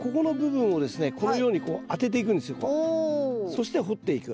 そして掘っていく。